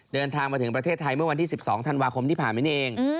เดินทางมาถึงประเทศไทยเมื่อวันที่๑๒ธันวาคมที่ผ่านมานี่เอง